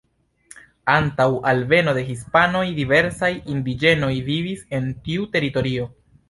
Antaŭ alveno de hispanoj diversaj indiĝenoj vivis en tiu teritorio.